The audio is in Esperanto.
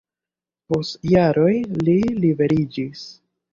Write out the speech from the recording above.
Post jaroj li liberiĝis.